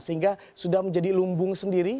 sehingga sudah menjadi lumbung sendiri